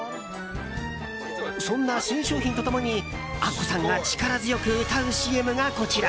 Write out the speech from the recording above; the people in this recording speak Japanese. そんな新商品と共にアッコさんが力強く歌うＣＭが、こちら。